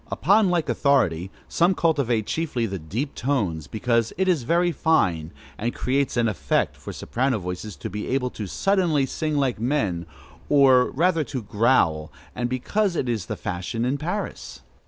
Upon like authority, some cultivate chiefly the deep tones, because it is very fine, and "creates an effect," for soprano voices to be able suddenly to sing like men, or rather to growl, and because it is the fashion in Paris.